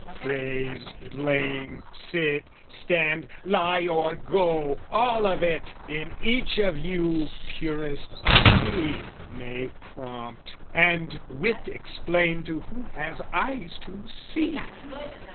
Praise, blame, sit, stand, lie or go! all of it, In each of you, purest unbelief may prompt, And wit explain to who has eyes to see.